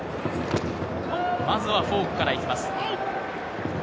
まずはフォークからいきます。